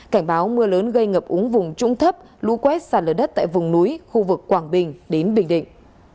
cảnh báo mưa lớn gây ngập úng vùng trung thấp lũ quét xa lờ đất tại vùng núi khu vực quảng bình đến bình định